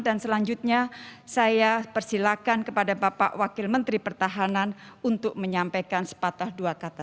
dan selanjutnya saya persilahkan kepada bapak wakil menteri pertahanan untuk menyampaikan sepatah dua kata